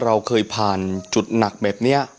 เราเคยผ่านจุดหนักแบบนี้